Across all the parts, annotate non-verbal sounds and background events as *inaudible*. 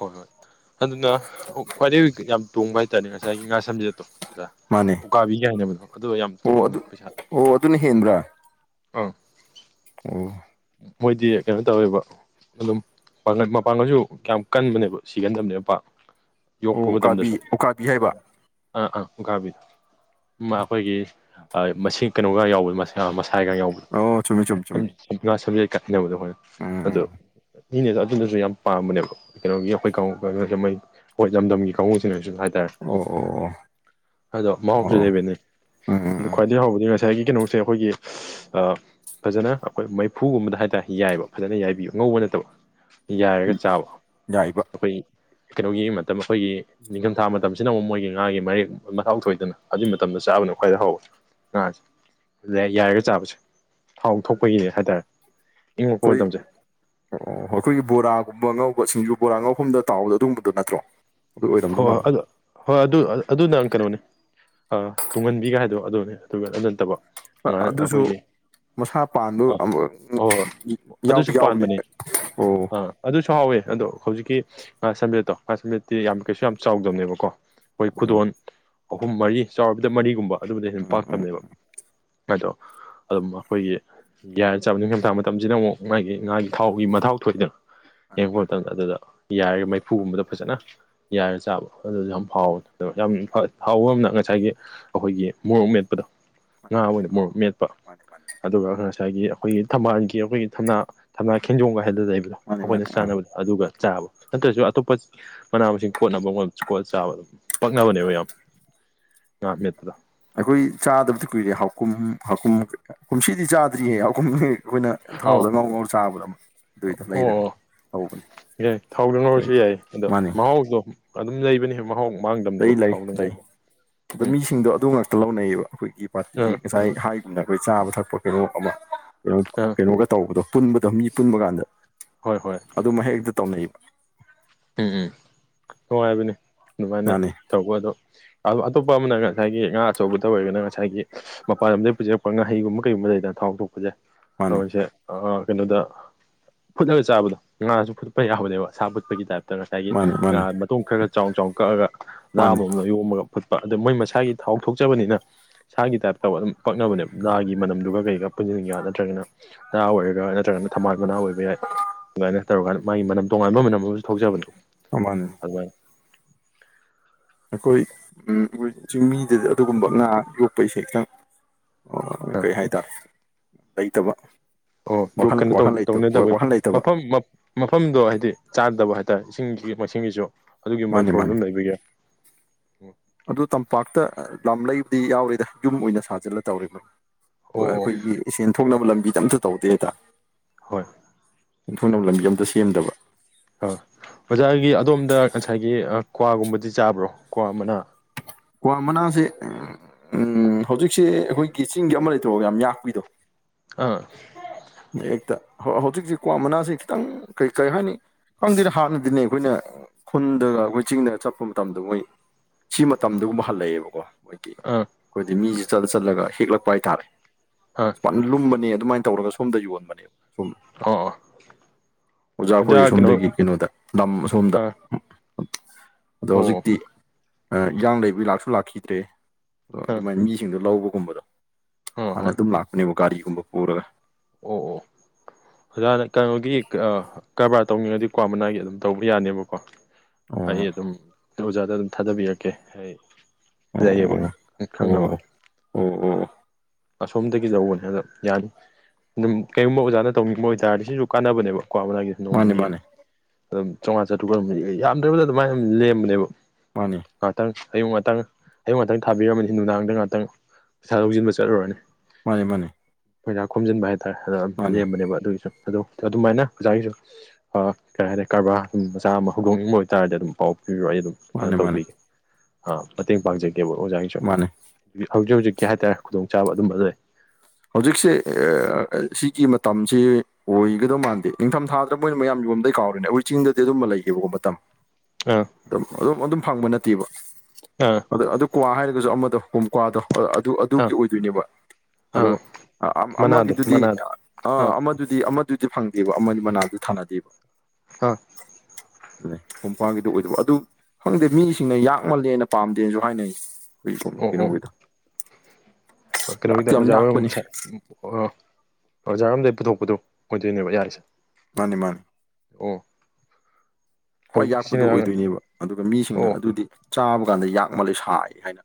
ꯍꯣꯏ ꯍꯣꯏ ꯑꯗꯨꯅ ꯈ꯭ꯋꯥꯏꯗꯒꯤ ꯌꯥꯝ ꯇꯣꯡꯕ ꯍꯥꯏꯇꯥꯔꯦ ꯉꯁꯥꯏꯒꯤ ꯉꯥ ꯁꯝꯖꯦꯠꯇꯣ ꯑꯣꯖꯥ ꯃꯥꯅꯦ ꯎꯀꯥꯕꯤ ꯀꯥ ꯍꯥꯏꯅꯕꯗꯣ ꯑꯗꯨꯗꯣ ꯌꯥꯝ ꯑꯣ ꯑꯗꯨ ꯇꯥꯡꯕꯅꯦ ꯄꯩꯁꯥ ꯑꯣ ꯑꯗꯨꯅ ꯍꯦꯟꯕ꯭ꯔꯥ ꯑꯥ ꯑꯣ ꯃꯣꯏꯗꯤ ꯀꯩꯅꯣ ꯇꯧꯋꯦꯕ ꯑꯗꯨꯝ ꯃꯄꯥꯡꯒꯥꯜꯁꯨ ꯌꯥꯝ ꯀꯟꯕꯅꯦꯕ ꯁꯤꯒꯟꯗꯕꯅꯦꯕ ꯄꯥꯛ ꯌꯣꯛꯄ ꯑꯣ ꯎꯀꯥꯕꯤ ꯃꯇꯝꯗꯁꯨ ꯎꯀꯥꯕꯤ ꯍꯥꯏꯕ ꯑꯥ ꯑꯥ ꯎꯀꯥꯕꯤ ꯑꯩꯈꯣꯏꯒꯤ ꯃꯁꯤ ꯀꯩꯅꯣꯒ ꯌꯥꯎꯕꯗꯣ ꯃꯁꯥꯏꯒ ꯌꯥꯎꯕꯗꯣ ꯑꯣ ꯆꯨꯝꯃꯤ ꯆꯨꯝꯃꯤ ꯆꯨꯝꯃꯤ ꯉꯥ ꯁꯥꯝꯆꯦꯠꯒ ꯍꯥꯢꯅꯕꯗꯣ ꯎꯝ ꯑꯩꯈꯣꯏꯅ ꯑꯗꯣ ꯎꯝ ꯃꯤꯅꯒ ꯁꯨ ꯑꯗꯨꯁꯨ ꯌꯥꯝ ꯄꯥꯝꯕꯅꯦꯕ ꯀꯩꯅꯣꯒꯤ ꯑꯩꯈꯣꯏꯩꯅꯣꯏ *unintelligible* ꯍꯣꯏ ꯂꯝꯗꯝꯒꯤ *unintelligible* ꯀꯥꯡꯕꯨꯁꯤꯡꯅꯁꯨ ꯍꯥꯏꯇꯥꯔꯦ ꯑꯣ ꯑꯣ ꯑꯗꯣ ꯑꯣ ꯃꯍꯥꯎꯁꯨ ꯑꯣ ꯂꯩꯕꯅꯤ ꯎꯝ ꯑꯥ ꯎꯝ ꯈ꯭ꯋꯥꯏꯗꯒꯤ ꯍꯥꯎꯕꯗꯤ ꯉꯁꯥꯏꯒꯤ ꯀꯩꯅꯣꯁꯦ ꯑꯩꯈꯣꯏꯒꯤ ꯐꯖꯅ ꯑꯩꯈꯣꯏ ꯃꯩꯐꯨꯒꯨꯝꯕꯗ ꯍꯥꯏꯇꯥꯔꯦ ꯌꯥꯏꯕ ꯐꯖꯅ ꯌꯥꯏꯕꯤꯕ ꯉꯧꯕ ꯅꯠꯇꯕ꯫ ꯌꯥꯏꯔꯒ ꯎꯝ ꯆꯥꯕ꯫ ꯌꯥꯏꯕ꯫ ꯑꯩꯈꯣꯏ ꯀꯩꯅꯣꯒꯤ ꯃꯇꯝ ꯑꯩꯈꯣꯏꯒꯤ꯫ ꯅꯤꯡꯊꯝꯊꯥ ꯃꯇꯝꯁꯤꯅ ꯑꯃꯨꯛ ꯃꯣꯏꯒꯤ ꯉꯥꯒꯤ ꯃꯔꯦꯛ ꯃꯥꯎ ꯊꯣꯏꯗꯅ ꯑꯗꯨꯖꯤꯛ ꯃꯇꯝꯗ ꯆꯥꯕꯅ ꯈ꯭ꯋꯥꯏꯗ ꯍꯧꯎꯕ꯫ ꯉꯥꯁꯦ ꯑꯗꯨ ꯌꯥꯏꯔꯒ ꯆꯥꯕꯁꯦ ꯊꯥꯎ ꯊꯣꯛꯄꯒꯤꯅꯦ ꯍꯥꯏꯇꯥꯔꯦ꯫ ꯏꯪꯉꯛꯄ ꯈꯣꯏ꯫ ꯃꯇꯝꯁꯦ ꯑꯣ ꯑꯣ ꯑꯩꯈꯣꯏꯒꯤ ꯕꯣꯔꯥꯒꯨꯝꯕ ꯑꯉꯧꯕ ꯁꯤꯡꯖꯨ ꯕꯣꯔꯥ ꯑꯉꯧꯐꯝꯗ ꯇꯥꯎꯕꯗꯣ ꯑꯗꯨꯒꯨꯝꯕꯗꯣ ꯅꯠꯇ꯭ꯔꯣ꯫ ꯑꯗꯨ ꯑꯣꯏꯔꯝꯗꯧ ꯍꯣꯏ ꯍꯣꯏ ꯃꯥꯜꯂꯦ ꯑꯗꯣ ꯍꯣꯏ ꯑꯗꯨ ꯑꯗꯨꯅꯪ ꯀꯩꯅꯣꯅꯦ ꯇꯨꯡꯍꯟꯕꯤꯒ ꯍꯥꯏꯗꯣ ꯑꯗꯨꯅꯦ ꯑꯗꯨꯒ ꯑꯗꯨ ꯅꯠꯇꯕ꯫ ꯑꯗꯨꯁꯨ ꯑꯩꯈꯣꯏꯒꯤ꯫ ꯃꯁꯥ ꯄꯥꯟꯕ ꯑꯥ ꯑꯃꯨꯛ ꯍꯣꯏ ꯍꯣꯏ ꯑꯗꯨꯁꯨ ꯌꯥꯎꯗꯤ ꯌꯥꯎꯕꯅꯦ ꯄꯥꯟꯕꯅꯦ ꯑꯣ ꯑꯥ ꯑꯗꯨꯁꯨ ꯍꯥꯎꯋꯦ ꯑꯗꯣ ꯍꯧꯖꯤꯛꯀꯤ ꯉꯥ ꯁꯝꯕꯦꯠꯇꯣ ꯉꯥ ꯁꯟꯕꯦꯠꯇꯤ ꯌꯥꯝ ꯀꯩꯁꯨ ꯌꯥꯝ ꯆꯥꯎꯗꯕꯅꯦꯕꯀꯣ꯫ ꯑꯩꯈꯣꯏ ꯎꯝ ꯈꯨꯗꯣꯟ ꯑꯍꯨꯝ ꯃꯔꯤ ꯆꯥꯎꯔꯕꯗ ꯃꯔꯤꯒꯨꯝꯕ ꯑꯗꯨꯕꯨꯗ ꯍꯦꯟꯅ ꯎꯝ ꯎꯝ ꯄꯥꯛꯇꯕꯅꯦꯕ꯫ ꯎꯝ ꯑꯗꯣ ꯑꯗꯨꯝ ꯑꯩꯈꯣꯏꯒꯤ꯫ ꯒ꯭ꯌꯥꯟ ꯆꯥꯕ ꯅꯤꯡꯊꯝꯊꯥ ꯃꯇꯝꯁꯤꯗ ꯑꯃꯨꯛ ꯃꯥꯒꯤ ꯉꯥꯒꯤ ꯊꯥꯎꯒꯤ ꯃꯊꯥꯎ ꯊꯣꯛꯏꯗꯅ꯫ ꯃꯥꯅꯦ ꯌꯦꯡꯉꯛꯄ ꯃꯥꯅꯦ ꯃꯇꯝꯗ ꯑꯗꯨꯗ ꯌꯥꯔꯒ ꯃꯩꯐꯨꯒꯨꯝꯕꯗ ꯐꯖꯅ꯫ ꯌꯥꯏꯔ ꯆꯥꯕ ꯑꯗꯨꯁꯨ ꯌꯥꯝ ꯍꯥꯎꯋ ꯑꯗꯣ ꯌꯥꯝ ꯍꯥꯎꯕ ꯑꯃꯅ ꯉꯁꯥꯏꯒꯤ꯫ ꯑꯩꯈꯣꯏꯒꯤ ꯃꯣꯔꯣꯛ ꯃꯦꯠꯄꯗꯣ ꯃꯥꯅꯦ ꯉꯥ ꯃꯥꯅꯦ ꯑꯣꯏꯅ ꯃꯣꯔꯣꯛ ꯑꯥ ꯃꯦꯠꯄ ꯃꯥꯅꯦ ꯃꯥꯅꯦ ꯑꯗꯨꯒ ꯉꯁꯥꯏꯒꯤ ꯑꯩꯈꯣꯏꯒꯤ ꯊꯝꯕꯥꯜꯒꯤ ꯑꯩꯈꯣꯏꯒꯤ ꯊꯝꯅꯥ ꯊꯝꯅꯥ ꯈꯦꯟꯖꯣꯝꯒ ꯍꯥꯏꯗꯅ ꯂꯩꯕꯗꯣ ꯃꯥꯅꯦ ꯑꯩꯈꯣꯏꯅ ꯃꯥꯅꯦ ꯑꯥ ꯆꯥꯅꯕꯗꯣ꯫ ꯑꯗꯨꯒ ꯆꯥꯕ ꯅꯠꯇ꯭ꯔꯁꯨ ꯑꯇꯣꯞꯄ ꯃꯅꯥ ꯃꯁꯤꯡ ꯀꯣꯠꯅꯕ ꯀꯣꯠꯂ ꯆꯥꯕ ꯑꯗꯨꯝ ꯄꯛꯅꯕꯅꯦꯕ ꯌꯥꯝ ꯉꯥ ꯃꯦꯠꯄꯗꯣ ꯑꯩꯈꯣꯏ ꯆꯥꯗꯕꯗꯤ ꯀꯨꯏꯔꯦ ꯍꯥꯎꯀꯨꯝ ꯍꯥꯎꯀꯨꯝ ꯀꯨꯝꯁꯤꯗꯤ ꯆꯥꯗ꯭ꯔꯤꯌꯦ ꯍꯥꯎꯀꯨꯝ ꯑꯩꯈꯣꯏꯅ ꯊꯥꯎꯗ ꯑꯧ ꯉꯥꯎ ꯉꯥꯎ ꯆꯥꯕꯗ ꯑꯃ ꯑꯗꯨꯏꯗ ꯂꯩꯔꯒꯦ ꯌꯥ ꯊꯥꯎꯗ ꯉꯧꯔꯁꯨ ꯌꯥꯏ ꯑꯗꯣ ꯃꯥꯅꯤ ꯃꯍꯥꯎꯗꯣ ꯑꯗꯨꯝ ꯂꯩꯕꯅꯦ ꯃꯍꯥꯎ ꯂꯩ ꯃꯥꯡꯗꯕꯅꯦꯕ ꯂꯩ ꯊꯥꯎꯗ ꯂꯩ ꯉꯧꯕ ꯑꯗꯣ ꯎꯝ ꯃꯤꯁꯤꯡꯗꯣ ꯑꯗꯨ ꯂꯧꯅꯩꯌꯦꯕ ꯑꯩꯈꯣꯏꯒꯤ ꯄꯥꯇꯤꯒꯤ ꯑꯥ ꯉꯁꯥꯏ ꯍꯥꯏꯈꯤꯕꯅ ꯑꯩꯈꯣꯏ ꯆꯥꯕ ꯊꯛꯄ ꯀꯩꯅꯣ ꯑꯃ ꯀꯩꯅꯣ ꯎꯝ꯫ ꯀꯩꯅꯣꯒ ꯇꯧꯕꯗꯣ ꯄꯨꯟꯕꯗꯣ ꯃꯤ ꯄꯨꯟꯕ ꯀꯥꯟꯗ꯫ ꯍꯣꯏ ꯍꯣꯏ꯫ ꯑꯗꯨꯝ ꯍꯦꯛꯇ ꯇꯧꯅꯩꯌꯦꯕ꯫ ꯎꯝ ꯎꯝ ꯅꯨꯡꯉꯥꯏꯕꯅꯤ ꯑꯗꯨꯃꯥꯏꯅ ꯃꯥꯅꯤ ꯇꯧꯕ ꯑꯗꯣ꯫ ꯑ ꯑꯇꯣꯞꯄ ꯑꯃꯅ ꯉꯁꯥꯏꯒꯤ ꯉꯥ ꯑꯆꯧꯕꯗ ꯑꯣꯏꯔꯒꯅ ꯉꯁꯥꯏꯒꯤ꯫ ꯃꯄꯥꯟ ꯂꯝꯝꯗꯒꯤ ꯄꯨꯖꯔꯛꯄ ꯉꯥꯍꯩꯒꯨꯝꯕ ꯀꯩꯒꯨꯝꯕ ꯂꯩꯗꯅ ꯊꯥꯎ ꯊꯣꯛꯣꯛꯄꯁꯦ ꯃꯥꯅꯤ ꯑꯩꯈꯣꯏꯁꯦ ꯀꯩꯅꯣꯗ ꯐꯨꯠꯂꯒ ꯆꯥꯕꯗꯣ ꯉꯥꯁꯨ ꯐꯨꯠꯄ ꯌꯥꯕꯅꯦꯕ ꯁꯥ ꯐꯨꯠꯄꯒꯤ ꯇꯥꯏꯞꯇ꯫ ꯉꯁꯥꯏꯒꯤ ꯃꯥꯅꯤ ꯃꯥꯅꯤ ꯉꯥ ꯃꯇꯣꯡ ꯈꯔ ꯈꯔ ꯆꯥꯎ ꯆꯥꯎꯀꯛꯑꯒ ꯥꯂꯥ ꯃꯥꯅꯤ ꯑꯃꯅ ꯌꯣꯝꯃꯒ ꯐꯨꯠꯄ ꯑꯗꯣ ꯃꯣꯏ ꯃꯁꯥꯒꯤ ꯊꯥꯎ ꯊꯣꯛꯆꯕꯅꯤꯅ꯫ ꯁꯥꯒꯤ ꯇꯥꯏꯞꯇ ꯑꯗꯨꯝ ꯄꯛꯅꯕꯅꯦꯕ ꯥꯒꯤ ꯃꯝꯗꯨꯒ ꯀꯩꯀ ꯄꯨꯟꯁꯤꯟꯒꯦ ꯅꯠꯇ꯭ꯔꯒꯅ ꯅꯥ ꯑꯣꯏꯔꯒ ꯅꯠꯇ꯭ꯔꯒꯅ ꯊꯝꯕꯥꯜ ꯃꯅꯥ ꯑꯣꯏꯕ ꯌꯥꯏ ꯑꯗꯨꯃꯥꯏꯅ ꯇꯧꯔꯀꯥꯟꯗ ꯃꯥꯒꯤ ꯃꯅꯝ ꯇꯣꯉꯥꯟꯕ ꯃꯅꯝ ꯑꯃꯁꯨ ꯊꯣꯛꯖꯕꯅꯤ꯫ ꯑ ꯃꯥꯟ *unintelligible* ꯑꯩꯈꯣꯏ ꯆꯤꯡꯃꯤꯗꯗꯤ ꯑꯗꯨꯒꯨꯝꯕ ꯉꯥ ꯌꯣꯛꯄ ꯏꯁꯩꯁꯦ ꯈꯤꯇꯪ ꯑ ꯀꯩ ꯍꯥꯏꯇꯥꯔꯦ ꯂꯩꯇꯕ꯫ ꯑꯣ ꯑꯗꯨ ꯋꯥꯈꯜ ꯀꯩꯅꯣ ꯋꯥꯈꯜ ꯂꯩꯇꯕ ꯇꯧꯅꯗꯕꯩ ꯋꯥꯈꯜ ꯂꯩꯇꯕ ꯃꯐꯝ ꯃꯐꯝꯗꯣ ꯍꯥꯏꯗꯤ ꯆꯥꯗꯕ ꯍꯥꯏꯇꯥꯔꯦ ꯏꯁꯤꯡꯒꯤꯁꯤ ꯃꯁꯤꯡꯒꯤꯁꯨ ꯑꯗꯨꯒꯨꯝꯕꯒꯤ ꯃꯥꯅꯤ ꯃꯥꯅꯤ ꯄ꯭ꯔꯣꯕ꯭ꯂꯦꯝ ꯂꯩꯕꯒꯤ꯫ ꯑꯗꯨ ꯇꯝꯄꯥꯛꯇ ꯑ ꯂꯝ ꯂꯩꯕꯗꯤ ꯌꯥꯎꯔꯦꯗ ꯌꯨꯝ ꯑꯣꯏꯅ ꯁꯥꯖꯤꯜꯂ ꯇꯧꯔꯤꯕꯩ ꯍꯣꯏ ꯑꯣ ꯑꯩꯈꯣꯏꯒꯤ ꯁꯦꯟ ꯊꯣꯛꯅꯕ ꯂꯝꯕꯤꯗ ꯑꯝꯇ ꯇꯧꯗꯦꯗ ꯍꯣꯏ ꯑꯣꯟꯊꯣꯡꯅꯕ ꯂꯝꯕꯤ ꯑꯝꯇ ꯁꯦꯝꯗꯕ ꯑꯥ ꯑꯣꯖꯥꯒꯤ ꯑꯗꯣꯝꯗ ꯉꯁꯥꯏꯒꯤ ꯑ ꯀ꯭ꯋꯥꯒꯨꯝꯕꯗꯤ ꯆꯥꯕ꯭ꯔꯣ ꯀ꯭ꯋꯥ ꯃꯅꯥ ꯀ꯭ꯋꯥ ꯃꯅꯥꯁꯦ ꯎꯝ ꯎꯝ ꯍꯧꯖꯤꯛꯁꯦ ꯑꯩꯈꯣꯏꯒꯤ ꯆꯤꯡꯒꯤ ꯑꯃ ꯂꯩꯇ꯭ꯔꯣ ꯌꯥꯝ ꯌꯥꯛꯄꯤꯗꯣ ꯑꯥ ꯍꯦꯛꯇ ꯍꯧ ꯍꯧꯖꯤꯛꯁꯤ ꯀ꯭ꯋꯥ ꯃꯅꯥꯁꯤ ꯈꯤꯇꯪ ꯀꯩ ꯀꯔꯤ ꯍꯥꯏꯅꯤ ꯈꯪꯗꯦꯗ ꯍꯥꯟꯅꯗꯤꯅꯦ ꯈꯣꯏꯅ ꯈꯨꯟꯗ ꯈꯣꯏ ꯆꯤꯡꯗ ꯆꯠꯄ ꯃꯇꯝꯗ ꯃꯣꯏ ꯁꯤꯃ ꯇꯝꯗꯒꯨꯝꯕ ꯍꯜꯂꯛꯑꯦꯕꯀꯣ ꯑꯥ ꯈꯣꯏꯗꯤ ꯃꯤꯖꯦ ꯆꯠꯂ ꯆꯠꯂꯒ ꯍꯦꯛꯂꯛꯄ ꯍꯥꯏꯇꯥꯥꯔꯦ ꯑꯥ ꯂꯨꯝꯕꯅꯦ ꯑꯗꯨꯃꯥꯏ ꯇꯧꯔꯒ ꯁꯣꯝꯗ ꯌꯣꯟꯕꯅꯦꯕ ꯑꯣ ꯑꯣ ꯑꯣꯖꯥꯈꯣꯏ ꯑꯣꯖꯥ ꯀꯩꯅꯣ ꯑꯁꯣꯝꯗꯒꯤ ꯀꯩꯅꯣꯗ ꯂꯝ ꯑꯁꯣꯝꯗ ꯑꯥ ꯎꯝ ꯎꯝ ꯑꯗꯣ ꯑꯣ ꯍꯧꯖꯤꯛꯇꯤ ꯌꯥꯥꯡ ꯂꯩꯕꯩ ꯂꯥꯛꯁꯨ ꯂꯥꯛꯈꯤꯗ꯭ꯔꯦ ꯑ ꯑꯥ ꯑꯗꯨꯃꯥꯏꯅ ꯃꯤꯁꯤꯡꯗꯣ ꯂꯧꯕꯒꯨꯝꯕꯗꯣ ꯑꯥ ꯍꯥꯟꯅ ꯍꯣꯏ ꯑꯣ ꯑꯗꯨꯝ ꯂꯥꯛ ꯅꯤꯕꯨ ꯒꯥꯔꯤꯒꯨꯝꯕ ꯄꯨꯔꯒ ꯑꯣ ꯑꯣ ꯑꯣꯖꯥ ꯑꯗ ꯀꯩꯅꯣꯒꯤ ꯀꯑꯥ ꯀꯔꯕꯥꯔ ꯇꯧꯅꯤꯡꯉꯗꯤ ꯀ꯭ꯋꯥ ꯃꯅꯥꯒꯤ ꯑꯗꯨꯝ ꯇꯧꯕ ꯌꯥꯅꯤꯕꯀꯣ ꯍꯥꯏꯗꯤ ꯑꯣ ꯑꯗꯨꯝ ꯗꯨ ꯑꯣꯖꯥꯗ ꯑꯗꯨꯝ ꯊꯥꯗꯕꯤꯔꯛꯀꯦ ꯑꯩ ꯂꯩꯌꯦꯕ ꯑꯣ ꯑꯩ ꯑꯣ ꯈꯪꯅꯕ ꯑꯣ ꯑꯣꯑꯣ ꯑꯁꯣꯝꯗꯒꯤ ꯌꯧꯕꯅꯦ ꯑꯗꯣ ꯌꯥꯅꯤ ꯗꯨꯝ ꯀꯩꯒꯨꯝꯕ ꯑꯣꯖꯥꯅ ꯇꯧꯅꯤꯡꯕ ꯑꯣꯏꯇꯥꯥꯔꯗꯤ ꯁꯤꯁꯨ ꯀꯥꯟꯅꯕꯅꯦꯕ ꯀ꯭ꯋꯥ ꯃꯅꯥꯒꯤ ꯃꯥꯅꯦ ꯅꯣꯡꯃꯒꯤ ꯃꯥꯅꯦ ꯑꯗꯨꯝ ꯆꯪꯉ꯭ꯋꯥ ꯆꯇ꯭ꯔꯨꯛ *unintelligible* ꯌꯥꯝꯗ꯭ꯔꯕꯗ ꯑꯗꯨꯃꯥꯏꯅ ꯑꯗꯨꯝ ꯂꯦꯝꯕꯅꯦꯕ ꯃꯥꯅꯤ ꯉꯥꯇꯪ ꯑꯌꯨꯛ ꯉꯇꯪ ꯑꯌꯨꯛ ꯉꯇꯪ ꯊꯥꯕꯤꯔꯝꯃꯅꯤ ꯅꯨꯡꯗꯥꯡꯗ ꯉꯇꯪ ꯏꯁꯥ ꯂꯧꯖꯤꯟꯕꯆ ꯏꯂꯨꯔꯅꯤ ꯃꯥꯟꯅꯦ ꯃꯥꯟꯅꯦ ꯄꯩꯁꯥ ꯈꯣꯝꯖꯤꯟꯕ ꯍꯥꯏꯇꯥꯔꯦ ꯑꯗ ꯂꯦꯝꯕꯅꯦꯕ ꯑꯗꯨꯒꯤꯁꯨ ꯑꯗꯨ ꯑꯗꯨꯃꯥꯏꯅ ꯑꯣꯖꯥꯒꯤꯁꯨ ꯑꯥ ꯀꯩ ꯍꯥꯏꯗꯤ ꯀꯔꯕꯥꯔ ꯎꯝ ꯃꯆꯥ ꯑꯃ ꯍꯧꯗꯣꯛꯅꯤꯡꯕ ꯑꯣꯏꯇꯥꯔꯗꯤ ꯑꯗꯨꯝ ꯄꯥꯎ ꯄꯤꯕꯤꯔꯛꯑꯣ ꯑꯩ ꯑꯗꯨꯝ ꯀꯩꯅꯣ ꯃꯥꯅꯦ ꯃꯥꯅꯦ ꯇꯧꯕꯤꯒꯦ ꯑꯥ ꯃꯇꯦꯡ ꯄꯥꯡꯖꯒꯦꯕ ꯑꯣꯖꯥꯒꯤ ꯃꯥꯟꯅꯦ ꯌꯨ ꯍꯧꯖꯤꯛ ꯍꯧꯖꯤꯛꯀꯤ ꯍꯥꯏꯇꯥꯔꯦ ꯈꯨꯗꯣꯡꯆꯥꯕ ꯑꯗꯨꯝꯕ ꯂꯩ ꯍꯧꯖꯤꯛꯁꯦ ꯑꯦꯑꯥ ꯑꯦ ꯁꯤꯒꯤ ꯃꯇꯝꯁꯤ ꯑꯣꯏꯒꯗꯣ ꯃꯥꯟꯗꯦ ꯅꯤꯡꯊꯝ ꯊꯥꯗꯅ ꯃꯣꯏꯅ ꯃꯌꯥꯝ ꯌꯣꯟꯕꯗꯩ ꯀꯥꯎꯔꯤꯅꯦ ꯑꯩꯍꯣꯏ ꯆꯤꯡꯗꯗꯤ ꯑꯗꯨꯝꯕ ꯂꯩꯇꯦꯕꯀꯣ ꯃꯇꯝ ꯑꯥ ꯑꯗꯨꯝ ꯑꯗꯨꯝ ꯑꯗꯨꯝ ꯐꯪꯕ ꯅꯠꯇꯦꯕ ꯑꯥ ꯑꯗꯣ ꯑꯗꯨ ꯀ꯭ꯋꯥ ꯍꯥꯏꯔꯒꯁꯨ ꯑꯃꯗꯣ ꯀꯣꯡꯀ꯭ꯋꯥꯗꯣ ꯑꯥ ꯑꯗꯨ ꯑꯥ ꯑꯗꯨꯒꯤ ꯑꯣꯏꯗꯣꯏꯅꯦꯕ ꯑꯗꯣ ꯑꯥ ꯑꯑꯥ ꯃꯅꯥꯗꯣ ꯑꯃꯒꯤꯗꯨꯗꯤ ꯃꯅꯥꯗꯣ ꯑꯥ ꯑꯃ ꯗꯨꯗꯤ ꯑꯃꯗꯨꯗꯤ ꯐꯪꯗꯦꯕ ꯑꯃ ꯃꯅꯥꯗꯨ ꯊꯥꯅꯗꯦꯕ ꯑꯥ ꯀꯣꯡ ꯋꯥꯒꯤꯗꯣ ꯑꯣꯏꯗꯣꯏꯕ ꯑꯗꯨ ꯈꯪꯗꯦ ꯃꯤꯁꯤꯡꯅ ꯌꯥꯛꯃꯜꯂꯦꯅ ꯄꯥꯝꯗꯦꯅꯁꯨ ꯍꯥꯏꯅꯩ ꯑꯩꯈꯣꯏꯒꯤ ꯑꯣ ꯀꯩꯅꯣꯒꯤꯗꯣ꯫ ꯀꯩꯅꯣꯒꯤꯗ ꯌꯥꯛꯇꯤ ꯌꯥꯝ ꯑꯣꯖꯥ ꯍꯣꯏꯔꯣꯝ ꯌꯥꯛꯄꯅꯦ ꯑꯣꯖꯥꯔꯣꯝꯗꯩ ꯄꯨꯊꯣꯛꯄꯗꯣ ꯑꯣꯏꯗꯣꯏꯅꯦꯕ ꯌꯥꯔꯤꯁꯦ꯫ ꯃꯥꯅꯦ ꯃꯥꯅꯦ꯫ ꯑꯣ꯫ ꯈ꯭ꯋꯥꯏ ꯍꯧꯖꯤꯛꯀꯤꯁꯤꯅ ꯌꯥꯛꯄꯗꯨ ꯑꯣꯏꯗꯣꯏꯅꯦꯕ ꯑꯗꯨꯒ ꯃꯤꯁꯤꯡꯅ ꯑꯣ ꯑꯗꯨꯗꯤ ꯆꯥꯕ ꯀꯥꯟꯗ ꯌꯥꯛ ꯃꯥꯜꯂꯦ ꯁꯥꯏ ꯍꯥꯏꯅ꯫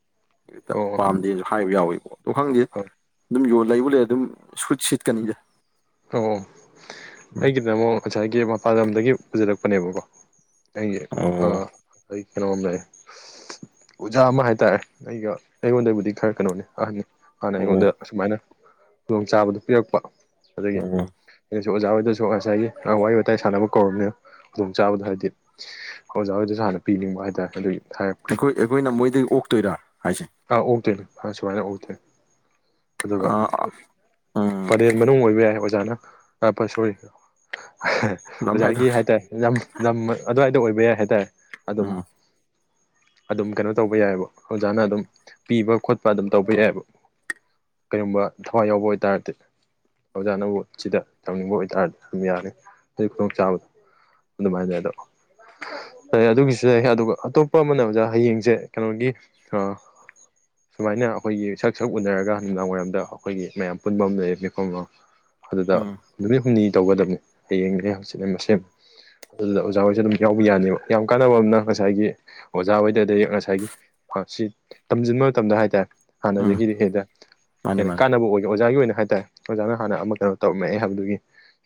ꯍꯦꯛꯇ ꯑꯣ ꯄꯥꯝꯗꯦꯁꯨ ꯍꯥꯏꯕ ꯌꯥꯎꯋꯦꯕꯣ ꯑꯗꯣ ꯈꯪꯗꯦ ꯑꯣ ꯑꯗꯨꯝ ꯌꯣ ꯂꯩꯕꯨ ꯂꯩꯔ ꯑꯗꯨꯝ ꯁꯨꯠ ꯁꯤꯠꯀꯅꯤꯗ꯫ ꯑꯣ ꯑꯩꯒꯤꯗ ꯑꯃꯨꯛ ꯉꯁꯥꯏꯒꯤ ꯃꯄꯥꯟ ꯂꯝꯗꯒꯤ ꯄꯨꯁꯜꯔꯛꯄꯅꯦꯕꯀꯣ꯫ ꯑꯩ ꯑ ꯑꯣ ꯑꯩ ꯀꯩꯅꯣꯝꯗ ꯑꯣꯖꯥ ꯑꯃ ꯍꯥꯏꯇꯥꯔꯦ ꯑꯩꯒ ꯑꯩꯉꯣꯟꯗꯕꯨꯗꯤ ꯈꯔ ꯀꯩꯅꯣꯅꯤ ꯑꯍꯟꯅꯤ꯫ ꯃꯥꯅ ꯑꯣ ꯑꯩꯉꯣꯟꯗ ꯑꯁꯨꯃꯥꯏꯅ ꯈꯨꯗꯣꯡꯆꯥꯥꯕꯗꯨ ꯄꯤꯔꯛꯄ ꯑꯗꯒꯤ ꯑꯣ ꯑꯩꯅꯁꯨ ꯑꯣꯖꯥ ꯍꯣꯏꯗꯁꯨ ꯉꯁꯥꯏꯒꯤ ꯋꯥꯔꯤ ꯋꯥꯇꯥꯏ ꯁꯥꯟꯅꯕ ꯀꯧꯔꯕꯅꯤꯅ ꯈꯨꯗꯣꯡꯆꯥꯥꯕꯗꯣ ꯍꯥꯏꯗꯤ ꯑꯣꯖꯥ ꯍꯣꯏꯗꯁꯨ ꯍꯥꯟꯅ ꯄꯤꯅꯤꯡꯕ ꯍꯥꯏꯇꯥꯔꯦ ꯑꯗꯨꯒꯤ ꯍꯥꯏꯔꯛꯄ꯫ ꯑꯩꯈꯣꯏ ꯑꯩꯈꯣꯏꯅ ꯃꯣꯏꯗꯒꯤ ꯑꯣꯛꯇꯣꯏꯔꯥ ꯍꯥꯏꯁꯦ꯫ ꯑꯥ ꯎꯛꯇꯣꯏꯅꯦ ꯁꯨꯃꯥꯏꯅ ꯑꯣꯛꯇꯣꯏꯅꯦ ꯑꯗꯨꯒ ꯑꯥ ꯎꯝ ꯄꯂꯦꯟ ꯃꯅꯨꯡ ꯑꯣꯏꯕ ꯌꯥꯏ ꯑꯣꯖꯥꯅ ꯁꯣꯔꯤ ꯂꯝ ꯑꯣꯖꯥꯒꯤ ꯍꯥꯏꯗꯣꯛ ꯍꯥꯏꯇꯥꯔꯦ ꯌꯥꯝ ꯂꯝ ꯑꯗꯨꯋꯥꯏꯗ ꯑꯣꯏꯕ ꯌꯥꯏ ꯍꯥꯏꯇꯥꯔꯦ ꯑꯗꯨꯝ꯫ ꯎꯝ ꯑꯗꯨꯝ ꯀꯩꯅꯣ ꯇꯧꯕ ꯌꯥꯏꯌꯦꯕ ꯑꯣꯖꯥꯅ ꯑꯗꯨꯝ꯫ ꯄꯤꯕ ꯈꯣꯠꯄ ꯑꯗꯨꯝ ꯇꯧꯕ ꯌꯥꯏꯕ ꯀꯔꯤꯒꯨꯝꯕ ꯊꯋꯥꯏ ꯌꯥꯎꯕ ꯑꯣꯏꯇꯥꯔꯗꯤ꯫ ꯑꯣꯖꯥꯅꯕꯨ ꯁꯤꯗ ꯇꯧꯅꯤꯡꯕ ꯑꯣꯏꯇꯥꯔꯗꯤ ꯑꯗꯨꯝ ꯌꯥꯅꯤ ꯑꯗꯨꯒꯤ ꯈꯨꯗꯣꯡꯆꯥꯥꯕꯗꯣ꯫ ꯑꯗꯨꯃꯥꯏꯅ ꯍꯥꯏꯗꯣ꯫ ꯑꯗꯨꯒꯤꯁꯨ ꯂꯩ ꯑꯗꯨꯒ ꯑꯇꯣꯞꯄ ꯑꯃꯅ ꯑꯣꯖꯥ ꯍꯌꯦꯡꯁꯦ ꯀꯩꯅꯣꯒꯤ ꯑ꯫ ꯁꯨꯃꯥꯏꯅ ꯑꯩꯈꯣꯏꯒꯤ ꯁꯛ ꯁꯛ ꯎꯅꯔꯒ ꯅꯨꯃꯤꯗꯥꯡ ꯋꯥꯏꯔꯝꯗ ꯑꯩꯈꯣꯏꯒꯤ ꯃꯌꯥꯝ ꯄꯨꯟꯕ ꯑꯃ ꯂꯩꯌꯦ ꯃꯤꯐꯝ ꯑꯃ ꯑꯗꯨꯗ ꯎꯝ ꯅꯨꯃꯤꯠ ꯍꯨꯝꯅꯤ ꯇꯧꯒꯗꯕꯅꯤ ꯍꯌꯦꯡꯅꯦ ꯍꯪꯆꯤꯠ ꯃꯁꯦꯝ ꯑꯗꯨꯗ ꯑꯣꯖꯥ ꯍꯣꯏꯁꯦ ꯑꯗꯨꯝ ꯌꯥꯎꯕ ꯌꯥꯅꯦꯕ ꯌꯥꯝ ꯀꯥꯟꯅꯕ ꯑꯃꯅ ꯉꯁꯥꯏꯒꯤ ꯑꯣꯖꯥꯍꯣꯏꯗꯗꯤ ꯉꯁꯥꯏꯒꯤ ꯐꯁꯤꯠ ꯇꯝꯁꯤꯟꯕ ꯃꯇꯝꯗ ꯍꯥꯏꯇꯥꯔꯦ ꯎꯝ ꯍꯥꯟꯅꯗꯒꯤꯗꯤ ꯍꯦꯟꯅ ꯃꯥꯅꯤ ꯍꯦꯟꯅ ꯃꯥꯅꯤ ꯀꯥꯟꯅꯕ ꯑꯣꯏꯒꯅꯤ ꯑꯣꯖꯥꯒꯤ ꯑꯣꯏꯅ ꯍꯥꯏꯇꯥꯔꯦ꯫ ꯑꯣꯖꯥꯅ ꯍꯦꯟꯅ ꯑꯃ ꯀꯩꯅꯣ ꯇꯧꯔꯝꯃꯦ ꯍꯥꯏꯕꯗꯨꯒꯤ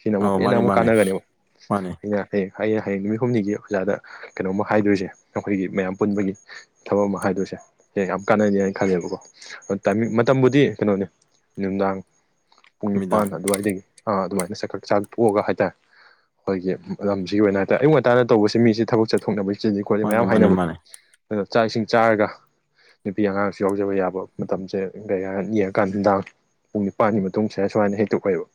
ꯁꯤꯅ ꯑꯃꯨꯛ ꯑꯧ ꯍꯦꯟꯅ ꯃꯥꯅꯤ ꯑꯃꯨꯛ ꯃꯥꯅꯤ ꯀꯥꯟꯅꯒꯅꯦꯕ ꯃꯥꯅꯤ ꯑꯩꯅ꯫ ꯍꯌꯦꯡ ꯑꯩꯅ ꯍꯌꯦꯡ ꯅꯨꯃꯤꯠ ꯍꯨꯝꯅꯤꯒꯤ ꯑꯣꯖꯥꯗ ꯀꯩꯅꯣꯝꯃ ꯍꯥꯏꯗꯣꯏꯁꯦ ꯑꯩꯈꯣꯏꯒꯤ ꯃꯌꯥꯝ ꯄꯨꯟꯕꯒꯤ ꯊꯕꯛ ꯑꯃ ꯍꯥꯏꯗꯣꯏꯁꯦ꯫ ꯌꯦ ꯌꯥꯝ ꯀꯥꯟꯅꯅꯤ ꯍꯥꯏꯅ ꯈꯜꯂꯦꯕꯀꯣ ꯑ ꯇꯥꯏꯃꯤꯡ ꯃꯇꯝꯕꯨꯗꯤ ꯀꯩꯅꯣꯅꯦ ꯅꯨꯡꯗꯥꯡ ꯄꯨꯡ ꯅꯤꯄꯥꯟ ꯅꯨꯃꯤꯗꯥꯡ ꯑꯗꯨꯋꯥꯏꯗꯒꯤ ꯑꯥ ꯑꯗꯨꯃꯥꯏꯅ ꯆꯥꯛꯀ ꯆꯥꯛ ꯇꯣꯛꯑꯒ ꯍꯥꯏꯇꯥꯔꯦ꯫ ꯑꯩꯈꯣꯏꯒꯤ ꯂꯝꯁꯤꯒꯤ ꯑꯣꯏꯅ ꯍꯥꯏꯇꯥꯔꯦ ꯑꯌꯨꯛ ꯉꯟꯇꯥꯗ ꯇꯧꯕꯁꯤ ꯃꯤꯁꯦ ꯊꯕꯛ ꯆꯠꯊꯣꯛꯅꯕꯩ ꯆꯤꯟꯂꯤ ꯈꯣꯠꯂꯤ ꯃꯥꯅꯤ ꯃꯌꯥꯝ ꯃꯥꯅꯤ ꯍꯥꯏꯅꯕ ꯃꯥꯅꯤ ꯑꯗꯨꯗ ꯆꯥꯛ ꯏꯁꯤꯡ ꯆꯥꯔꯒ꯫ ꯅꯨꯄꯤ ꯑꯉꯥꯡꯁꯨ ꯌꯥꯎꯖꯕ ꯌꯥꯕ ꯃꯇꯝꯁꯦ ꯀꯩ ꯍꯥꯏ ꯌꯦꯡꯉꯀꯥꯟ ꯅꯨꯡꯗꯥꯡ꯫ ꯄꯨꯡ ꯅꯤꯄꯥꯟꯒꯤ ꯃꯇꯨꯡ ꯁꯗ ꯁꯨꯃꯥꯏꯅ ꯍꯦꯛꯇ ꯑꯣꯏꯕ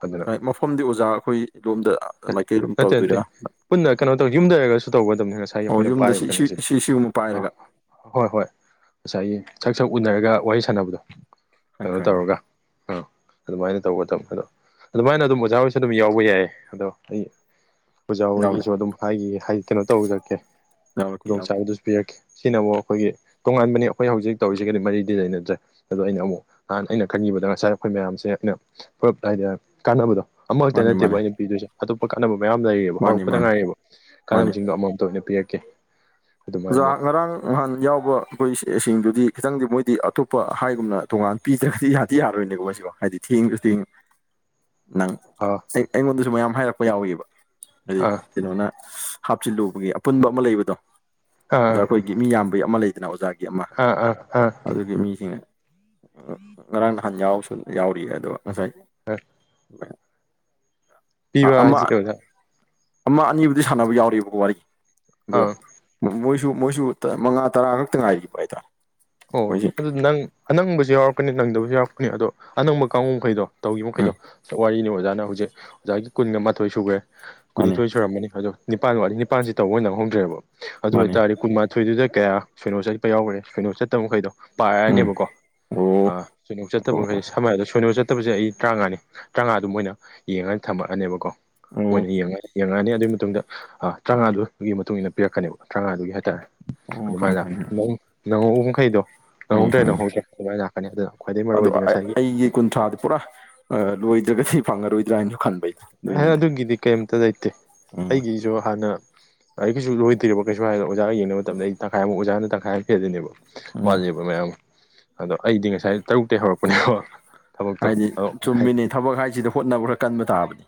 ꯑꯗꯨꯅ ꯍꯣꯏ ꯃꯐꯝꯗꯤ ꯑꯣꯖꯥ ꯑꯩꯈꯣꯏ ꯂꯣꯝꯗ ꯃꯥꯏꯀꯩ ꯂꯣꯝ ꯅꯠꯇꯦ ꯅꯠꯇꯦ ꯇꯧꯗꯣꯏꯔꯥ ꯄꯨꯟꯅ ꯀꯩꯅꯣ ꯇꯧ ꯌꯨꯝꯗ ꯂꯩꯔꯒꯁꯨ ꯇꯧꯒꯗꯕꯅꯤ ꯉꯁꯥꯏꯒꯤ ꯑꯣ ꯑꯩꯈꯣꯏꯅ ꯌꯨꯝꯗ ꯄꯥꯏꯔꯤꯕ ꯁꯤ ꯁꯤ ꯁꯤ ꯁꯤꯒꯨꯝꯕ ꯀꯩꯅꯣꯁꯤꯗ ꯑ ꯄꯥꯏꯔꯒ ꯍꯣꯏ ꯍꯣꯏ ꯉꯁꯥꯏꯒꯤ ꯁꯛ ꯁꯛ ꯎꯅꯔꯒ ꯋꯥꯔꯤ ꯁꯥꯟꯅꯕꯗꯣ ꯈꯪꯉꯦ ꯀꯩꯅꯣ ꯈꯪꯉꯦ ꯇꯧꯔꯒ ꯑꯥ ꯑꯗꯨꯃꯥꯏꯅ ꯇꯧꯕꯒꯗꯕ ꯑꯗꯣ ꯑꯗꯨꯃꯥꯏꯅ ꯑꯗꯨꯝ ꯑꯣꯖꯥ ꯍꯣꯏꯁꯦ ꯑꯗꯨꯝ ꯌꯥꯎꯕ ꯌꯥꯏ ꯑꯗꯣ ꯑꯩ ꯑꯣꯖꯥ ꯌꯥꯎꯔꯤ ꯍꯣꯏꯒꯤꯁꯨ ꯑꯗꯨꯝ ꯍꯥꯏꯈꯤ ꯀꯩꯅꯣ ꯇꯧꯖꯔꯛꯀꯦ ꯌꯥꯎꯔꯛꯀꯦ ꯌꯥꯎꯔꯛꯀꯦ ꯈꯨꯗꯣꯡꯆꯥꯥꯕꯗꯨꯁꯨ ꯄꯤꯔꯛꯀꯦ ꯁꯤꯅ ꯑꯃꯨꯛ ꯑꯩꯈꯣꯏꯒꯤ ꯇꯣꯉꯥꯟꯕꯅꯤ ꯑꯩꯈꯣꯏ ꯍꯧꯖꯤꯛ ꯇꯧꯔꯤꯁꯤ ꯒꯗꯤ ꯃꯔꯤꯗꯤ ꯂꯩꯅꯗ꯭ꯔꯦ ꯑꯗꯣ ꯑꯩꯅ ꯑꯃꯨꯛ ꯅꯍꯥꯟ ꯑꯩꯅ ꯈꯪꯉꯕꯗ ꯉꯁꯥꯏ ꯑꯩꯈꯣꯏ ꯃꯌꯥꯝꯁꯦ ꯑꯩꯅ ꯄꯨꯂꯞ ꯍꯥꯏꯗꯤ ꯀꯥꯟꯅꯕꯗꯣ ꯑꯃꯈꯛꯇ ꯃꯥꯅꯤ ꯅꯠꯇꯦꯕ ꯃꯥꯅꯤ ꯑꯩꯅ ꯄꯤꯗꯣꯏꯁꯦ꯫ ꯑꯇꯣꯞꯄ ꯀꯥꯟꯅꯕ ꯃꯌꯥꯝ ꯂꯩꯌꯦꯕ ꯃꯥꯅꯤ ꯍꯧꯔꯛꯄꯗ ꯃꯥꯅꯤ ꯉꯥꯏꯌꯦꯕ ꯃꯥꯅꯤ ꯀꯥꯟꯅꯕꯁꯤꯡꯗꯣ ꯑꯃꯃꯝꯇ ꯑꯣꯏꯅ ꯄꯤꯔꯛꯀꯦ꯫ ꯑꯣꯖꯥ ꯑꯗꯨꯃꯥꯏꯅ ꯉꯔꯥꯡ ꯅꯍꯥꯟ ꯌꯥꯎꯕ ꯑꯩꯈꯣꯏ ꯏꯁꯤꯡꯗꯨꯗꯤ ꯈꯤꯇꯪꯗꯤ ꯃꯣꯏꯗꯤ ꯑꯇꯣꯞꯄ ꯍꯥꯏꯒꯨꯝꯅ ꯇꯣꯡꯉꯥꯟ ꯄꯤꯗ꯭ꯔꯒꯗꯤ ꯌꯥꯗꯤ ꯌꯥꯔꯣꯏꯅꯦꯀꯣ ꯁꯤꯕꯣ ꯍꯥꯏꯗꯤ ꯊꯦꯡꯉꯁꯨ ꯊꯦꯡꯉ ꯅꯪ ꯑꯥ ꯑꯩꯉꯣꯟꯗꯁꯨ ꯃꯌꯥꯝ ꯍꯥꯏꯔꯛꯄ ꯌꯥꯎꯏꯕ ꯍꯥꯏꯗꯤ꯫ ꯑꯥ ꯀꯩꯅꯣꯅ ꯍꯥꯞꯆꯤꯜꯂꯨꯕꯒꯤ ꯑꯄꯨꯟꯕ ꯑꯃ ꯂꯩꯕꯗꯣ꯫ ꯑꯥ ꯑꯣꯖꯥ ꯑꯩꯈꯣꯏꯒꯤ ꯃꯤ ꯌꯥꯝꯕꯩ ꯑꯃ ꯂꯩꯗꯅ ꯑꯣꯖꯥꯒꯤ ꯑꯃ ꯑꯥ ꯑꯥ ꯑꯥ ꯑꯗꯨꯒꯤ ꯃꯤꯁꯤꯡꯅ ꯉꯔꯥꯡ ꯅꯍꯥꯟ ꯌꯥꯎꯁꯨ ꯌꯥꯎꯔꯤꯌꯦ ꯑꯗꯣ ꯉꯁꯥꯏ *unintelligible* ꯑ ꯄꯤꯕ ꯑꯃꯥ ꯍꯥꯏꯁꯤ ꯀꯩꯅꯣꯗ ꯑꯃ ꯑꯅꯤꯕꯨꯗꯤ ꯁꯥꯟꯅꯕ ꯌꯥꯎꯔꯤꯕ ꯋꯥꯔꯤ ꯑꯗꯨꯒ ꯑꯥ꯫ ꯃꯣꯏꯁꯨ ꯃꯣꯏꯁꯨ ꯃꯉꯥ ꯇꯔꯥ ꯈꯛꯇ ꯉꯥꯏꯔꯤ ꯍꯥꯏꯗꯔꯥ ꯑꯣ ꯑꯗꯨ ꯅꯪ ꯑꯅꯪꯕꯁꯨ ꯌꯥꯎꯔꯛꯀꯅꯤ ꯅꯪꯗꯕꯁꯨ ꯌꯥꯎꯔꯛꯀꯅꯤ ꯑꯗꯣ ꯑꯅꯧꯕ ꯀꯥꯡꯒꯨ ꯃꯈꯩꯗꯣ ꯇꯧꯈꯤꯕ ꯃꯈꯩꯗꯣ ꯎꯝ ꯋꯥꯔꯤꯅꯤ ꯑꯣꯖꯥꯅ ꯍꯧꯖꯤꯛ ꯑꯣꯖꯥꯒꯤ ꯀꯨꯟꯒ ꯃꯥꯊꯣꯏ ꯁꯨꯈ꯭ꯔꯦ ꯃꯥꯅꯦ ꯀꯨꯟꯅꯤꯊꯣꯏ ꯁꯨꯔꯝꯃꯅꯤ ꯑꯗꯣ ꯅꯤꯄꯥꯟ ꯋꯥ ꯅꯤꯥꯟꯁꯁꯤ ꯇꯧꯕ ꯅꯪ ꯍꯧꯗ꯭ꯔꯦꯕ ꯑꯗꯨ ꯃꯥꯅꯦ ꯑꯣꯏꯕꯇꯥꯔꯗꯤ ꯀꯨꯟꯃꯊ ꯊꯣꯏꯗꯨꯗ ꯀꯌꯥ ꯁꯣꯏꯅꯣ ꯆꯠꯄ ꯌꯥꯎꯈ꯭ꯔꯦ ꯁꯣꯏꯅꯣ ꯆꯠꯇꯕ ꯃꯈꯩꯗꯣ ꯎꯝ ꯄꯥꯏꯔꯛꯅꯦꯕꯀꯣ ꯑꯣ ꯑꯥ ꯁꯣꯏꯅꯣꯛ ꯑꯣ ꯆꯠꯇꯕꯈꯩ ꯁꯝꯅ ꯑꯗꯣ ꯁꯣꯏꯅꯣꯛ ꯆꯠꯇꯕꯁꯦ ꯑꯩ ꯇꯔꯥꯃꯉꯥꯅꯤ ꯇꯔꯥꯃꯉꯥꯗꯨ ꯃꯣꯏꯅ ꯌꯦꯡꯉꯒ ꯊꯝꯃꯛꯑꯅꯦꯕꯀꯣ ꯑꯣ ꯃꯣꯏꯅ ꯌꯦꯡꯉꯒ ꯌꯦꯡꯉꯛꯑꯅꯤ ꯑꯗꯨꯒꯤ ꯃꯇꯨꯡꯗ ꯇꯔꯥꯃꯉꯥꯗꯨꯒꯤ ꯃꯇꯨꯡ ꯏꯟꯅ ꯄꯤꯔꯛꯀꯅꯦꯕ ꯇꯔꯥꯉꯥꯗꯨꯒꯤ ꯍꯥꯏꯇꯥꯔꯦ ꯑꯣ ꯈꯪꯉꯦ ꯑꯗꯨꯃꯥꯏꯅ ꯂꯩ ꯈꯪꯉꯦ ꯅꯪꯍꯧꯕ ꯃꯈꯩꯗꯣ꯫ ꯈꯪꯉꯦ ꯅꯪꯍꯧꯗ꯭ꯔꯦ ꯈꯪꯉꯦ ꯅꯪꯍꯧꯗ꯭ꯔꯦ ꯑꯗꯨꯃꯥꯏꯅ ꯂꯥꯛꯀꯅꯤ ꯑꯗꯨꯅ ꯈ꯭ꯋꯥꯏꯗꯒꯤ ꯃꯔꯨꯑꯣ ꯑꯣꯏꯗꯤ ꯉꯁꯥꯏꯒꯤ ꯌꯦ ꯀꯨꯟꯊ꯭ꯔꯥꯗꯤ ꯄꯨꯔꯥ ꯑ ꯂꯣꯏꯗ꯭ꯔꯒꯗꯤ ꯐꯪꯉꯔꯣꯏꯗ꯭ꯔꯥꯅꯁꯨ ꯈꯟꯕ ꯑꯩꯅ ꯑꯦꯍ ꯑꯗꯨꯒꯤꯗꯤ ꯀꯩꯝꯇ ꯂꯩꯇꯦ ꯎꯝ ꯑꯩꯒꯤꯁꯨ ꯍꯥꯟꯅ ꯑꯩꯒꯤꯁꯨ ꯂꯣꯏ ꯊꯤꯔꯣ ꯀꯩꯁꯨ ꯍꯥꯏꯔꯗꯣ ꯑꯣꯖꯥꯒ ꯌꯦꯡꯅꯕ ꯃꯇꯝꯗ ꯑꯩ ꯇꯪꯈꯥꯏ ꯑꯃꯨꯛ ꯑꯣꯖꯥꯅ ꯇꯪꯈꯥꯏ ꯑꯃ ꯐꯦꯗꯅꯦꯕ ꯎꯝ ꯋꯥꯠꯂꯦꯕ ꯃꯌꯥꯝ ꯑꯗꯣ ꯑꯩꯗꯤ ꯉꯁꯥꯏ ꯇꯔꯨꯛ ꯇꯩ ꯍꯧꯔꯛꯄꯅꯦꯕ ꯊꯕꯛꯇꯣ ꯍꯥꯏꯗꯤ ꯑꯗꯣ ꯆꯨꯝꯃꯤꯅꯤ ꯊꯕꯛ ꯍꯥꯏꯁꯤꯗ ꯍꯣꯠꯅꯕ ꯈꯔ ꯀꯟꯕ ꯇꯥꯕꯅꯤ꯫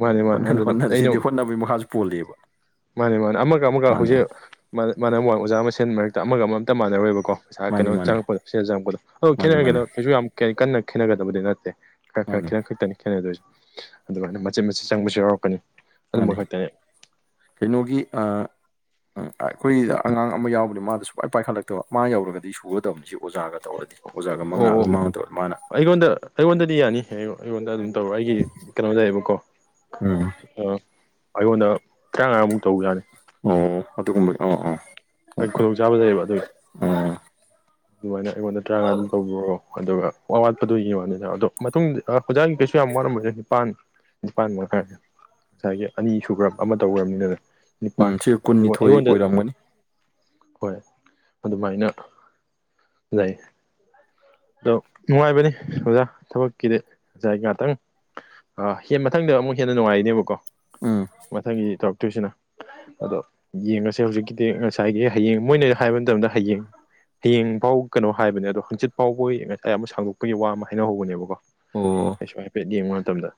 ꯃꯥꯅꯦ ꯃꯥꯅꯦ ꯍꯣꯠꯅ ꯑꯗꯨꯅ ꯍꯣꯠꯅ ꯑꯩꯅ ꯁꯤꯗꯤ ꯍꯣꯠꯅꯕꯒꯤ ꯃꯈꯥꯁꯨ ꯄꯣꯜꯂꯤꯕ꯫ ꯃꯥꯅꯦ ꯃꯥꯅꯦ ꯑꯃꯒ ꯑꯃꯒ ꯃꯥꯅꯦ ꯍꯧꯖꯤꯛ ꯃꯅ ꯑꯣꯖꯥ ꯃꯁꯦꯟ ꯃꯔꯛꯇ ꯑꯃꯒ ꯑꯃ ꯑꯝꯇ ꯃꯥꯟꯅꯔꯣꯏꯕꯀꯣ꯫ ꯄꯩꯁꯥ ꯃꯥꯅꯤ ꯀꯩꯅꯣ ꯃꯥꯅꯤ ꯆꯪꯉꯛꯄꯗꯣ ꯁꯤꯗ ꯆꯪꯉꯛꯄꯗꯣ ꯑꯗꯣ ꯃꯥꯅꯤ ꯈꯦꯠꯅꯔꯒꯦꯗ ꯃꯥꯅꯤ ꯀꯩꯁꯨ ꯌꯥꯝ ꯀ ꯀꯟꯅ ꯈꯦꯠꯅꯒꯗꯕꯗꯤ ꯅꯠꯇꯦ꯫ ꯈꯔ ꯈꯔ ꯃꯥꯅꯤ ꯈꯦꯠꯅ ꯈꯛꯇꯅꯤ ꯈꯦꯠꯅꯗꯣꯏꯁꯦ ꯑꯗꯨꯃꯥꯏꯅ ꯃꯆꯦꯠ ꯃꯆꯦꯠ ꯆꯪꯕꯁꯨ ꯌꯥꯎꯔꯛꯀꯅꯤ ꯃꯥꯅꯤ ꯑꯗꯨꯝꯕ ꯈꯛꯇꯅꯤ꯫ ꯀꯩꯅꯣꯒꯤ ꯑ ꯫ ꯎꯝ ꯑꯩꯈꯣꯏꯗ ꯑꯉꯥꯡ ꯑꯃ ꯌꯥꯎꯕꯅꯤ ꯃꯥꯗꯣ ꯁꯨꯄꯥꯏ ꯄꯥꯏꯈꯠꯂꯛꯇꯕ ꯃꯥ ꯌꯧꯔꯒꯗꯤ ꯁꯨꯒꯗꯕꯅꯤ ꯁꯤ ꯑꯣꯖꯥꯒ ꯇꯧꯔꯗꯤ꯫ ꯑꯣꯖꯥꯒ ꯃꯉꯥ ꯑꯣ ꯑꯣ ꯑꯗꯨꯝ ꯃꯥꯡꯉꯣꯟꯗ ꯇꯧꯔꯗꯤ ꯃꯥꯅ ꯑꯩꯉꯣꯟꯗ ꯑꯩꯉꯣꯟꯗꯗꯤ ꯌꯥꯅꯤ ꯑꯩꯉꯣꯟꯗ ꯑꯗꯨꯝ ꯇꯧꯔꯣ ꯑꯩꯒꯤ ꯀꯩꯅꯣ ꯂꯩꯌꯦꯕꯀꯣ ꯎꯝ ꯑꯥ ꯑꯩꯉꯣꯟꯗ ꯇꯔꯥꯃꯉꯥꯃꯨꯛ ꯇꯧꯕꯌꯥꯅꯤ꯫ ꯑꯣ ꯑꯗꯨꯒꯨꯝꯕ ꯑꯣ ꯑ ꯍꯣꯏ ꯈꯨꯗꯣꯡꯆꯥꯥꯕ ꯂꯩꯌꯦꯕ ꯑꯗꯨꯒꯤ ꯑꯗꯨꯃꯥꯏꯅ ꯑꯩꯉꯣꯟꯗ ꯇꯔꯥꯃꯉꯥ ꯑꯗꯨꯝ ꯇꯧꯕꯤꯔꯣ ꯑꯗꯨꯒ ꯑꯋꯥꯠꯄꯗꯨꯣꯒꯤ ꯋꯥꯅꯤꯅ ꯑꯗꯣ ꯃꯇꯨꯡꯗ ꯑꯣꯖꯥꯒꯤ ꯀꯩꯁꯨ ꯌꯥꯝ ꯋꯥꯔꯝꯃꯔꯦ ꯅꯤꯄꯥꯟ ꯅꯤꯄꯥꯟ ꯃꯉꯛꯈꯔꯅꯦ ꯉꯁꯥꯏꯒꯤ ꯑꯅꯤ ꯁꯨꯈ꯭ꯔꯕ ꯑꯃ ꯇꯧꯈ꯭ꯔꯕꯅꯤꯅꯅ ꯅꯤꯄꯥꯟ ꯎꯝ ꯁꯤ ꯑꯩꯉꯣꯟ ꯀꯨꯟꯅꯤꯊꯣꯏ ꯑꯩꯉꯣꯟꯗ ꯑꯣꯏꯔꯝꯒꯅꯤ ꯍꯣꯏ ꯑꯗꯨꯃꯥꯏꯅ ꯌꯥꯏ ꯑꯗꯣ ꯅꯨꯡꯉꯥꯏꯕꯅꯤ ꯑꯣꯖꯥ ꯊꯕꯛꯀꯤꯗꯤ ꯉꯥꯢ ꯉꯥꯢꯍꯥꯛꯇꯪ ꯑꯥ ꯃꯊꯪꯗ ꯑꯃꯨꯛ ꯍꯦꯟꯅ ꯅꯨꯡꯉꯥꯏꯔꯤꯅꯦꯕꯀꯣ ꯎꯝ ꯃꯊꯪꯒꯤ ꯇꯧꯔꯛꯇꯣꯏꯁꯤꯅ ꯑꯗꯣ ꯌꯦꯡꯉꯁꯦ ꯍꯧꯖꯤꯛꯀꯤꯗꯤ ꯉꯁꯥꯏꯒꯤ ꯍꯌꯦꯡ ꯃꯣꯏꯅ ꯍꯥꯏꯕ ꯃꯇꯝꯗ ꯍꯌꯦꯡ ꯍꯌꯦꯡ ꯐꯥꯎ ꯀꯩꯅꯣ ꯍꯥꯏꯕꯅꯦ ꯑꯗꯣ ꯍꯪꯆꯤꯠ ꯐꯥꯎꯕ ꯉꯁꯥꯏ ꯑꯃꯨꯛ ꯁꯥꯡꯗꯣꯛꯄꯒꯤ ꯋꯥ ꯑꯃ ꯍꯥꯏꯅꯍꯧꯕꯅꯦꯕꯀꯣ ꯑꯣ ꯑꯩꯩꯁꯨ ꯍꯥꯏꯐꯦꯠ ꯌꯦꯡꯕ ꯃꯇꯝꯗ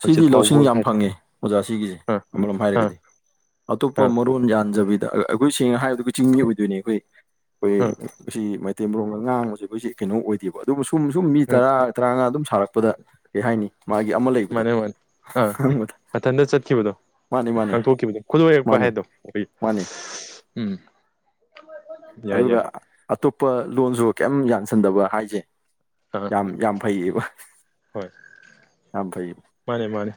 ꯍꯪꯆꯤꯠ ꯁꯤꯗꯤ ꯂꯧꯁꯤꯡ ꯐꯥꯎꯕ ꯌꯥꯝ ꯍꯥꯏꯗꯤ ꯐꯪꯉꯦ ꯑꯣꯖꯥ ꯁꯤꯒꯤꯁꯦ ꯑꯥ ꯑꯃꯔꯣꯝꯗ ꯑꯥ ꯍꯥꯏꯔꯒꯗꯤ ꯑꯇꯣꯞꯄ ꯑꯥ ꯃꯔꯣꯟ ꯌꯥꯟꯗꯕꯤꯗ ꯑꯩꯈꯣꯏ ꯁꯦꯡꯅ ꯍꯥꯏꯕꯗ ꯑꯩ ꯆꯤꯡꯃꯤ ꯑꯣꯏꯗꯣꯏꯅꯤ ꯑꯩꯈꯣꯏ ꯑꯥ ꯑꯩꯈꯣꯏ ꯃꯁꯤ ꯇꯦꯝꯕꯔꯣꯝꯗ ꯉꯥꯡꯕꯁꯤ ꯑꯩꯈꯣꯏ ꯀꯩꯅꯣ ꯑꯣꯏꯗꯦꯕ ꯑꯗꯨꯕꯨ ꯁꯨꯝ ꯁꯨꯝ ꯃꯤ ꯑꯥ ꯇꯔꯥ ꯇꯔꯥꯃꯉꯥ ꯑꯗꯨꯝ ꯁꯥꯔꯛꯄꯗ ꯀꯩ ꯍꯥꯏꯅꯤ ꯃꯥꯒꯤ ꯑꯃ ꯂꯩꯕꯗꯣ ꯃꯥꯅꯦ ꯃꯥꯅꯦ ꯑꯥ ꯈꯪꯕꯗ ꯃꯊꯟꯇ ꯆꯠꯈꯤꯕꯗꯣ ꯃꯥꯅꯤ ꯃꯥꯅꯤ ꯉꯥꯡꯊꯣꯛꯈꯤꯕꯗꯣ ꯈꯨꯠꯂꯣꯢꯔꯛꯄ ꯃꯥꯅꯤ ꯍꯥꯏꯗꯣ ꯑꯩꯈꯣꯏꯒꯤ ꯃꯥꯅꯤ ꯎꯝ ꯌꯥꯏ ꯑꯗꯨꯒ ꯌꯥꯏ ꯑꯇꯣꯞꯄ ꯂꯣꯟꯁꯨ ꯀꯩꯝ ꯌꯥꯟꯁꯟꯗꯕ ꯍꯥꯏꯁꯦ ꯑꯥ ꯌꯥꯝ ꯌꯥꯝ ꯐꯩꯌꯦꯕ ꯍꯣꯏ ꯌꯥꯝ ꯐꯩꯌꯦꯕ ꯃꯥꯅꯦ ꯃꯥꯅꯦ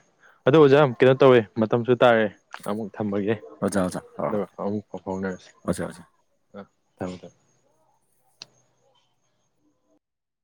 ꯑꯗꯨ ꯑꯣꯖꯥ ꯀꯩꯅꯣ ꯇꯧꯋꯦ ꯃꯇꯝꯁꯨ ꯇꯥꯔꯦ ꯑꯃꯨꯛ ꯊꯝꯃꯒꯦ ꯑꯣꯖꯥ ꯑꯣꯖꯥ *inaudible* ꯍꯣꯏ ꯍꯣꯏ ꯑꯗꯨꯒ ꯑꯃꯨꯛ ꯄꯥꯎ ꯐꯥꯎꯅꯔꯁꯤ ꯑꯣꯖꯥ ꯑꯣꯖꯥ ꯑꯝ ꯊꯝꯃꯦ ꯊꯝꯃꯦ